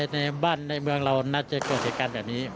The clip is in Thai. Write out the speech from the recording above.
ในบ้านในเมืองเราน่าจะเกิดเหตุการณ์แบบนี้